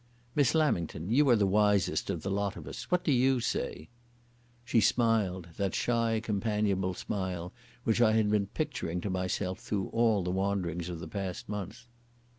"Miss Lamington, you are the wisest of the lot of us. What do you say?" She smiled—that shy, companionable smile which I had been picturing to myself through all the wanderings of the past month.